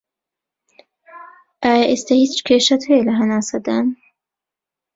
ئایا ئێستا هیچ کێشەت هەیە لە هەناسەدان